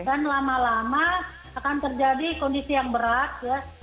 dan lama lama akan terjadi kondisi yang berat